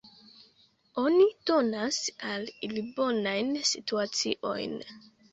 Oni donas al ili bonajn situaciojn?